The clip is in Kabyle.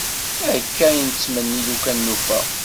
Akka i d-nettmenni lukan nufa.